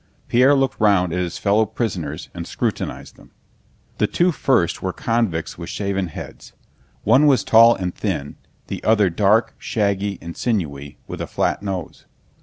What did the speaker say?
Pierre looked round at his fellow prisoners and scrutinized them. The two first were convicts with shaven heads. One was tall and thin, the other dark, shaggy, and sinewy, with a flat nose.